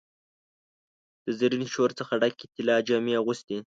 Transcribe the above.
د زرین شور څخه ډکي، د طلا جامې اغوستي